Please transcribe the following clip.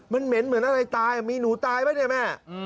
มันเหม็นเหมือนอะไรตายมีหนูตายไหมเนี่ยแม่